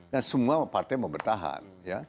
dan semua partai mau bertahan